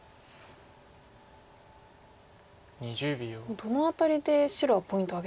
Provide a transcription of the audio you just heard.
どの辺りで白はポイントを挙げたんですか。